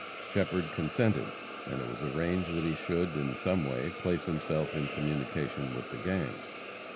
Shepherd consented, and it was arranged that he should, in some way, place himself in communication with the gang.